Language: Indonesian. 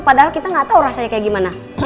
padahal kita gak tau rasanya kayak gimana